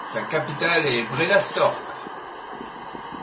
Sa capitale est Bredasdorp.